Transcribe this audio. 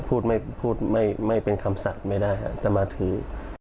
พูดไม่เป็นคำสัตว์ไม่ได้ครับแต่มาถือ